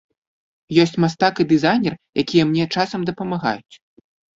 Ёсць мастак і дызайнер, якія мне часам дапамагаюць.